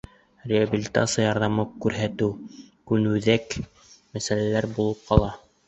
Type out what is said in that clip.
Реабилитация ярҙамы күрһәтеү көнүҙәк мәсьәлә булып ҡала.